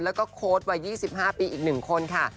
แล้วก็โค้ดวัย๒๕ปีอีก๑คนค่ะ